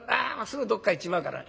すぐどっか行っちまうから。